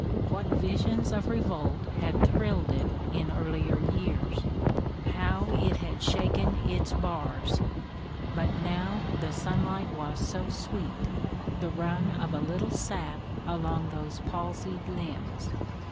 What visions of revolt had thrilled it in earlier years ! How it had shaken its bars! But now the sunlight was so sweet, the run of a little sap along those palsied limbs.